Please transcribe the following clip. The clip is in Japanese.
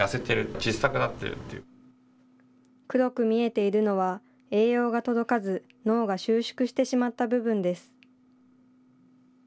黒く見えているのは、栄養が届かず、脳が収縮してしまった部分です。